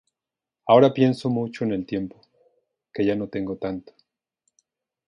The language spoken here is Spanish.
Ahora pienso mucho en el tiempo, que ya no tengo tanto.